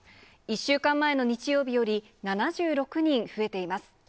１週間前の日曜日より７６人増えています。